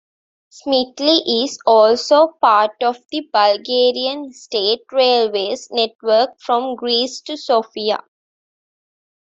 Simitli is also part of the Bulgarian State Railways network from Greece to Sofia.